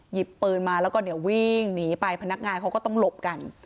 หยิบปืนมาแล้วก็เนี่ยวิ่งหนีไปพนักงานเขาก็ต้องหลบกัน